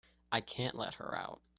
I can't let her out.